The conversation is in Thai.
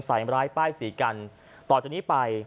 ใส่ร้ายป้ายสีกันต่อจากนี้ไป